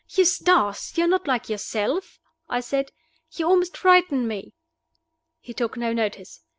"Eustace! you are not like yourself," I said. "You almost frighten me." He took no notice.